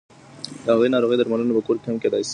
د هغې ناروغۍ درملنه په کور کې هم کېدای شي.